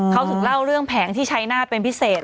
เขาถึงเล่าเรื่องแผงที่ชัยหน้าเป็นพิเศษ